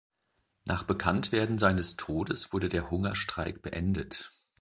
Nach Bekanntwerden seines Todes wurde der Hungerstreik beendet.